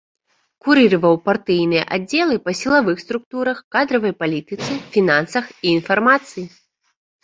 Курыраваў партыйныя аддзелы па сілавых структурах, кадравай палітыцы, фінансах і інфармацыі.